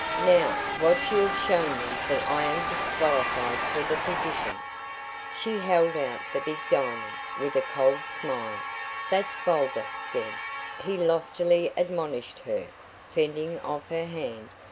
Now that you have shown me that I am disqualified for the position " she held out the big diamond, with a cold smile. "That's vulgar, Deb," he loftily admonished her, fending off her hand.